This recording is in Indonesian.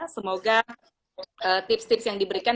semoga tips tips yang diberikan